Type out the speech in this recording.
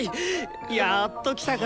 やっと来たか！